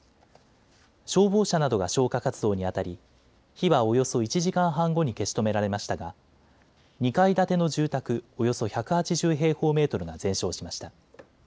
消防車などが消火活動にあたり火はおよそ１時間半後に消し止められましたが２階建ての住宅およそ１８０平方メートルが全焼しました。